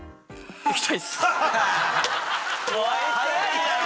⁉早いだろ！